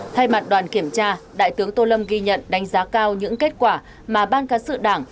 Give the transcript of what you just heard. thay mặt đoàn kiểm tra đại tướng tô lâm ghi nhận đánh giá cao những kết quả mà ban cán sự đảng